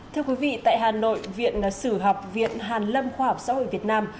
thưa quý vị tại hà nội viện sử học viện hàn lâm khoa học xã hội việt nam